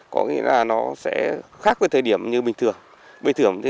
có nghĩa là nó sẽ khác với thời điểm như bình thường